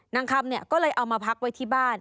นางคำเนี่ยก็เลยเอามาพักไว้ที่บ้าน